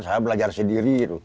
saya belajar sendiri